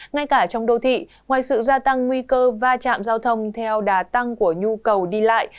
ngay cả trong đô thị ngoài sự gia tăng nguy cơ va chạm giao thông theo đà tăng của nhu cầu đi lại